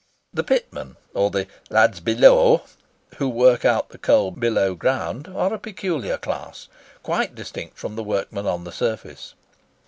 The pitmen, or "the lads belaw," who work out the coal below ground, are a peculiar class, quite distinct from the workmen on the surface.